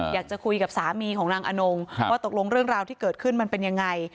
อยากจะคุยกับสามีของนางอนงว่าตกลงเรื่องราวที่เกิดขึ้นมันเป็นยังไง